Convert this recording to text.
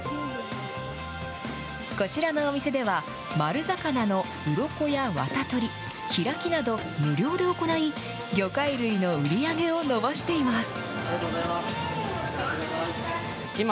こちらのお店では、丸魚のうろこやわた取り、開きなど、無料で行い、魚介類の売り上げを伸ばしています。